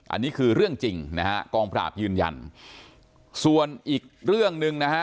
อันนี้คือเรื่องจริงนะฮะกองปราบยืนยันส่วนอีกเรื่องหนึ่งนะฮะ